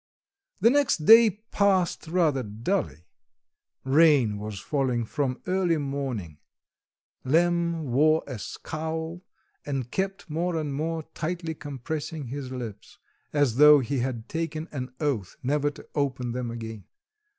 The next day passed rather dully. Rain was falling from early morning; Lemm wore a scowl, and kept more and more tightly compressing his lips, as though he had taken an oath never to open them again.